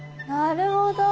なるほど。